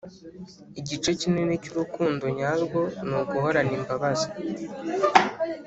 igice kinini cyurukundo nyarwo ni guhorana imbabazi